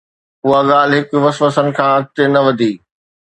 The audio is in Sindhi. اھا ڳالھھ ھڪ وسوسن کان اڳتي نه وڌي